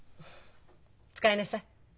使いなさい。